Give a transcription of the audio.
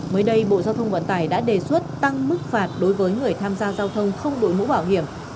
mới đây bộ giao thông vận tải đã đề xuất tăng mức phạt đối với người tham gia giao thông không đội mũ bảo hiểm